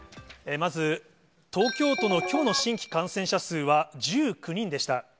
まず、東京都のきょうの新規感染者数は、１９人でした。